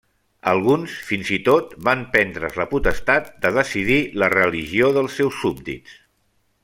Alguns fins i tot van prendre's la potestat de decidir la religió dels seus súbdits.